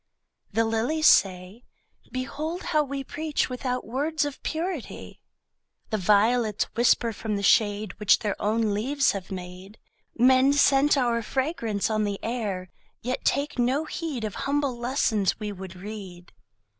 The lilies say: Behold how we Preach without words of purity. The violets whisper from the shade Which their own leaves have made: Men scent our fragrance on the air, Yet take no heed Of humble lessons we would read.